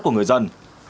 của người dân